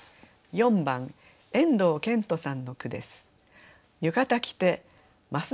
４番遠藤健人さんの句です。